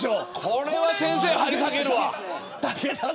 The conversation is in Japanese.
これは先生、張り裂けるわ。